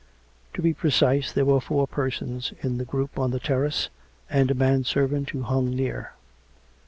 To be precise, there were four persons in the group on the terrace, and a man servant who hung near.